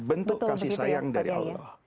bentuk kasih sayang dari allah